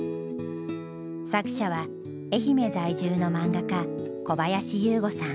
作者は愛媛在住のマンガ家小林有吾さん。